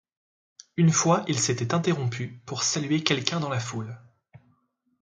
Une fois il s'était interrompu pour saluer quelqu'un dans la foule.